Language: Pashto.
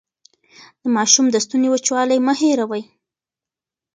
د ماشوم د ستوني وچوالی مه هېروئ.